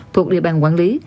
thuộc địa bàn quản lý